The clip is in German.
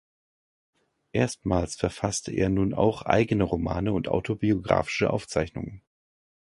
Erstmals verfasste er nun auch eigene Romane und autobiographische Aufzeichnungen.